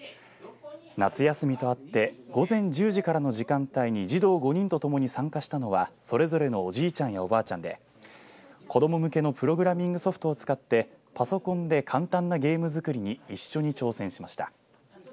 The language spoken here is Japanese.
夏休みとあって午前１０時からの時間帯に児童５人とともに参加したのはそれぞれのおじいちゃんやおばあちゃんで子ども向けのプログラミングソフトを使ってパソコンで簡単なゲーム作りに一緒に挑戦しました。